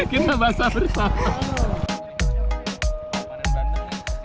kita basah bersama